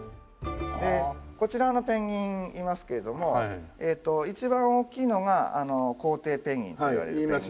こちらのペンギンいますけれども一番大きいのがあのコウテイペンギンって言われている。